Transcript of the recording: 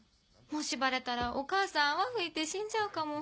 もしバレたらお母さん泡吹いて死んじゃうかも。